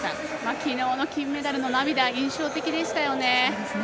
きのうの金メダルの涙印象的でしたよね。